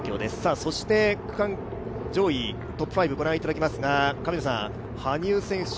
そして区間上位トップ５ご覧いただきます。